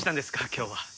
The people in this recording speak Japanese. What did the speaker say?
今日は。